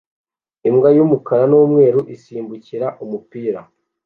Imbwa y'umukara n'umweru isimbukira umupira